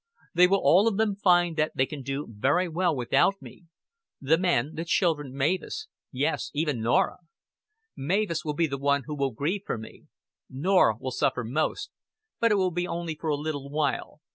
They will all of them find that they can do very well without me: the men, the children, Mavis yes, even Norah. Mavis will be the one who will grieve for me. Norah will suffer most, but it will be only for a little while.